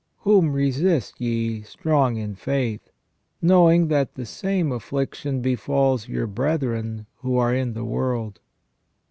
Whom resist ye strong in faith ; knowing that the same affliction befalls your brethren who are in the world."